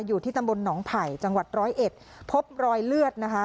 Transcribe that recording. อยู่ที่ตำบลหนองไผ่จังหวัดร้อยเอ็ดพบรอยเลือดนะคะ